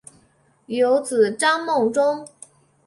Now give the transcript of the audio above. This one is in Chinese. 有子张孟中。